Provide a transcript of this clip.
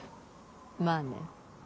まあね。